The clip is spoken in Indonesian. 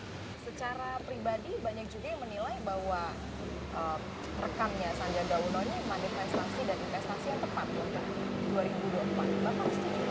tapi secara pribadi banyak juga yang menilai bahwa rekannya sandiaga uno ini manifestasi dan investasi yang tepat untuk dua ribu dua puluh empat